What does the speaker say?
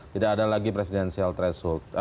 tidak ada lagi presidensial threshold